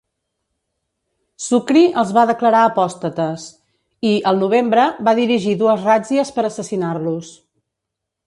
Sukri els va declarar apòstates i, al novembre, va dirigir dues ràtzies per assassinar-los.